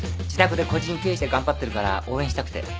自宅で個人経営して頑張ってるから応援したくて。